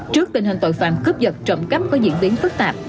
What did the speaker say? trước tình hình tội phạm cướp vật trộm cắp có diễn biến phức tạp